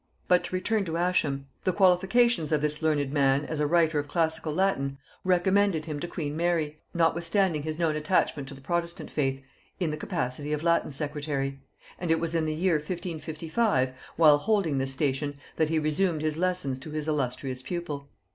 But to return to Ascham. The qualifications of this learned man as a writer of classical Latin recommended him to queen Mary, notwithstanding his known attachment to the protestant faith, in the capacity of Latin secretary; and it was in the year 1555, while holding this station, that he resumed his lessons to his illustrious pupil.